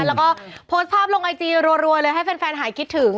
แล้วก็โพสต์ภาพลงไอจีรัวเลยให้แฟนหายคิดถึง